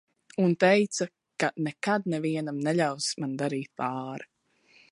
Un teica, ka nekad nevienam neļaus man darīt pāri.